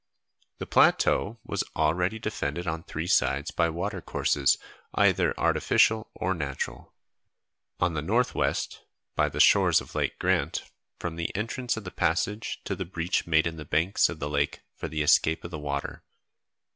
The plateau was already defended on three sides by watercourses, either artificial or natural. On the north west, by the shores of Lake Grant, from the entrance of the passage to the breach made in the banks of the lake for the escape of the water.